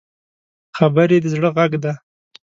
خبرې د زړه غږ دی